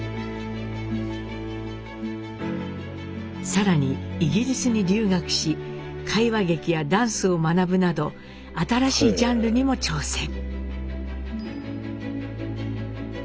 更にイギリスに留学し会話劇やダンスを学ぶなど新しいジャンルにも挑戦。